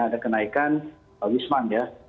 ada kenaikan wisman ya